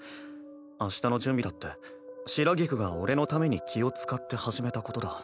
明日の準備だって白菊が俺のために気を遣って始めたことだ。